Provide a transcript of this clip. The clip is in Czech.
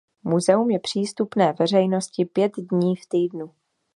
Muzeum je přístupné veřejnosti pět dní v týdnu.